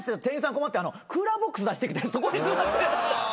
困ってクーラーボックス出してきてそこに座って。